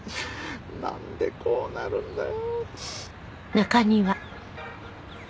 なんでこうなるんだよ。